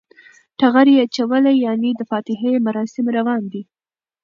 ټغر یی اچولی یعنی د فاتحی مراسم روان دی